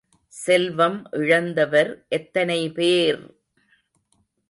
செல்வம் இழந்தவர் எத்தனைபேர்!